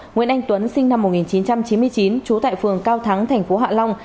nguyễn anh tuấn sinh năm một nghìn chín trăm chín mươi chín trú tại phường cao thắng thành phố hạ long